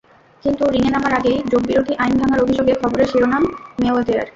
কিন্তু রিংয়ে নামার আগেই ডোপবিরোধী আইন ভাঙার অভিযোগে খবরের শিরোনাম মেওয়েদার।